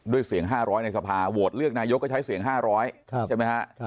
เสียง๕๐๐ในสภาโหวตเลือกนายกก็ใช้เสียง๕๐๐ใช่ไหมฮะ